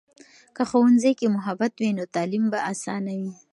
که ښوونځي کې محبت وي، نو تعلیم به آسانه وي.